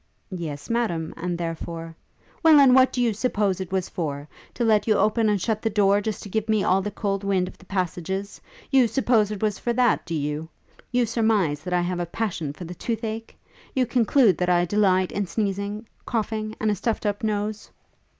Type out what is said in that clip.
'Yes, Madam; and therefore ' 'Well, and what do you suppose it was for? To let you open and shut the door, just to give me all the cold wind of the passages? You suppose it was for that, do you? You surmize that I have a passion for the tooth ache? You conclude that I delight in sneezing? coughing? and a stuft up nose?'